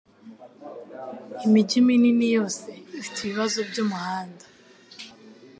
Imijyi minini yose ifite ibibazo byumuhanda.